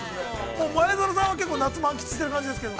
前園さんは、結構、夏を満喫してる感じですけど。